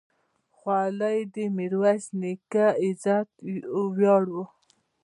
خولۍ د میرویس نیکه عزت ویاړ و.